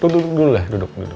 duduk dulu lah duduk gitu